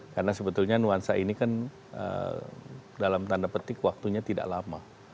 karena sebetulnya nuansa ini kan dalam tanda petik waktunya tidak lama